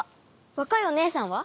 わかいおねえさんは？